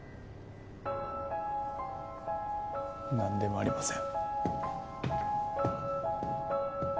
なんでもありません。